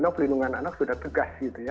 pelindungan anak sudah tegas gitu ya